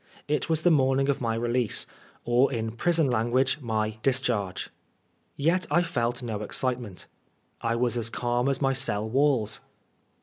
It was the morning of my release, or in prison language my " discharge." Yet I felt no excitement. I was as calm as my cell walls.